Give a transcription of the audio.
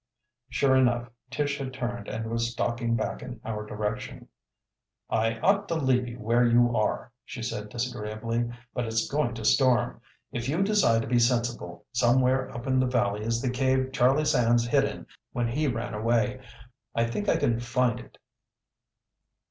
Sure enough, Tish had turned and was stalking back in our direction. "I ought to leave you where you are," she said disagreeably, "but it's going to storm. If you decide to be sensible, somewhere up the valley is the cave Charlie Sands hid in when he ran away. I think I can find it."